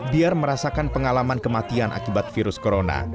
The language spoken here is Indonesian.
biar merasakan pengalaman kematian akibat virus corona